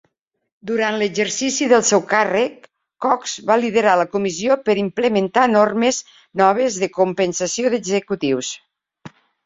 Durant l'exercici del seu càrrec, Cox va liderar la comissió per implementar normes noves de compensació d'executius.